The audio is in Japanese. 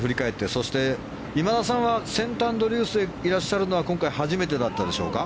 そして今田さんはセントアンドリュースへいらっしゃるのは今回、初めてだったでしょうか？